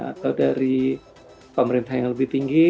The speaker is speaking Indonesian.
atau dari pemerintah yang lebih tinggi